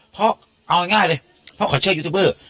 เพราะเอาง่ายเลยเพราะขอเชิญยูทูบเบอร์